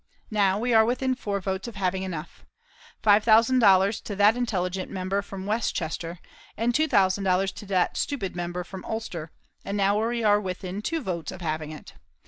Now, we are within four votes of having enough. $5,000 to that intelligent member from Westchester, and $2,000 to that stupid member from Ulster, and now we are within two votes of having it.